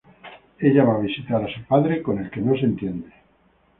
Ella va a visitar a su padre, con el que no se entiende.